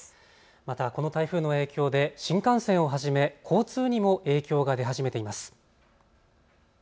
また、この台風の影響で新幹線をはじめ交通にも影響が出始めています。